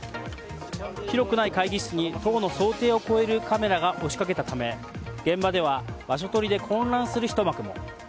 広くない会議室に党の想定を超えるカメラが押しかけたため、現場では場所取りで混乱するひと幕も。